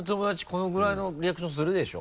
このぐらいのリアクションするでしょ？